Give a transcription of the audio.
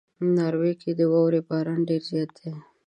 ناروې کې د واورې باران ډېر زیات اوري.